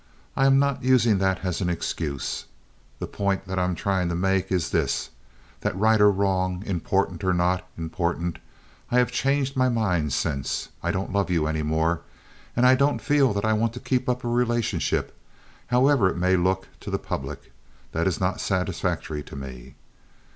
I am not using that as an excuse. The point that I am trying to make is this—that right or wrong, important or not important, I have changed my mind since. I don't love you any more, and I don't feel that I want to keep up a relationship, however it may look to the public, that is not satisfactory to me.